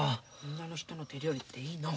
女の人の手料理っていいのう。